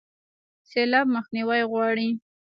سیلاب مخنیوی غواړي